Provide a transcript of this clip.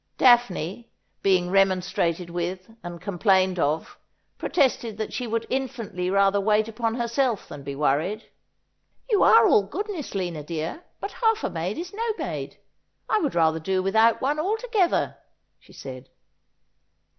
Daphne, being remonstrated with and complained of, protested that she would infinitely rather wait upon herself than be worried. 'You are all goodness, Lina dear, but half a maid is no maid. I would rather do without one altogether,' she said.